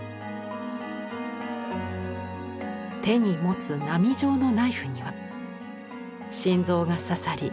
手に持つ波状のナイフには心臓が刺さり